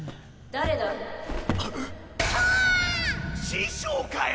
師匠かよ！